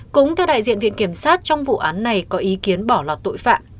cũng theo đại diện viện kiểm sát trong vụ án này có ý kiến bỏ lọt tội phạm